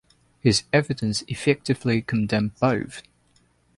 His evidence effectively condemned both.